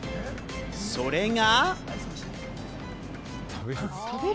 それが。